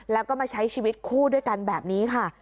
แล้วก็มาใช้ชีวิตคู่ด้วยกันแบบนี้ค่ะ